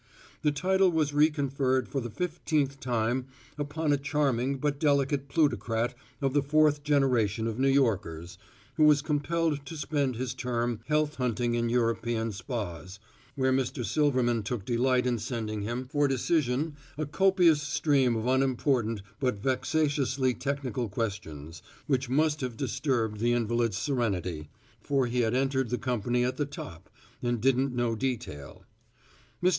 The title was re conferred for the fifteenth time upon a charming but delicate plutocrat of the fourth generation of New Yorkers, who was compelled to spend his term health hunting in European spas, where Mr. Silverman took delight in sending him for decision a copious stream of unimportant but vexatiously technical questions, which much disturbed the invalid's serenity, for he had entered the company at the top, and didn't know detail. Mr.